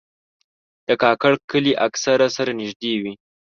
د کاکړ کلي اکثره سره نږدې وي.